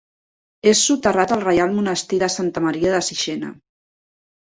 És soterrat al Reial Monestir de Santa Maria de Sixena.